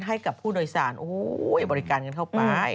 ให้กับผู้โดยสารบริการกันเข้าไป